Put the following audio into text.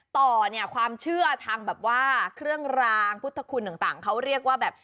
ต่อเนี่ยความเชื่อทางแบบว่าเครื่องรางพุทธคุณต่างเขาเรียกว่าแบบ